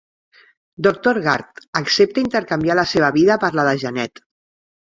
Doctor Garth accepta intercanviar la seva vida per la de Janet.